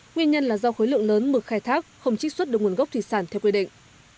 nguyên nhân là do khối lượng lớn mực khai thác không trích xuất được nguồn gốc thủy sản theo quy định